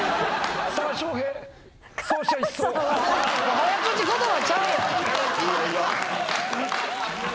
早口言葉ちゃうやん。